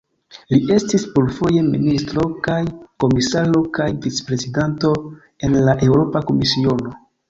Li estis plurfoje ministro kaj komisaro kaj vicprezidanto en la Eŭropa Komisiono.